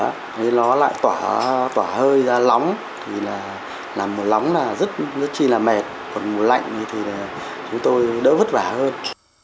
nếu mà trời lóng thì nó lại tỏa hơi ra lóng làm mùa lóng là rất chi là mệt còn mùa lạnh thì chúng tôi đỡ vất vả hơn